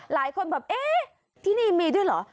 หลายคนแบบเอ๊ะที่นี่มีด้วยเหรอ